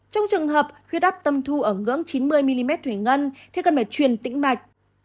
trong trường hợp huyết áp tâm thu ở ngưỡng chín mươi mm thủy ngân thì cần phải truyền tĩnh mạch